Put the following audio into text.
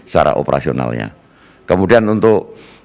secara operasionalnya kemudian untuk